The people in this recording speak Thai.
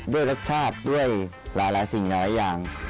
ด้วยรสชาติด้วยหลายสิ่งหลายอย่าง